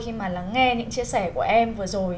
khi mà lắng nghe những chia sẻ của em vừa rồi